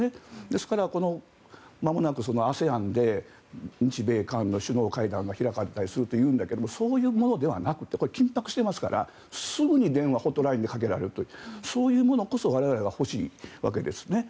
ですから、まもなくＡＳＥＡＮで日米韓の首脳会談が開かれたりするというんだけどそういうものではなくてこれは緊迫していますからすぐに電話、ホットラインでかけられるというそういうものこそ我々が欲しいわけですね。